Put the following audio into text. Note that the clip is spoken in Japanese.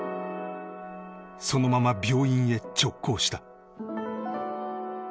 そのまま病院へ直行した。